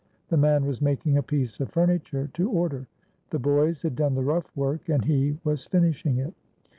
The man was making a piece of furniture to order; the boys had done the rough work, and he was finishing it.